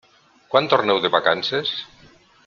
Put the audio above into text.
Quan torneu de vacances?